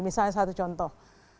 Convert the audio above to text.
misalnya satu contoh